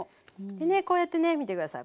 でねこうやってね見てください。